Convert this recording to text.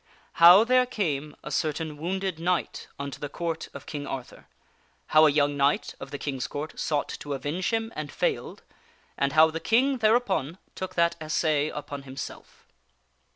How There Came a Certain Wounded Knight Unto the Court of King Arth^lr, How a Young Kinght of the Kings Court Sought To Avenge Him and Failed and How the King There upon Took That Assay Upon Himself.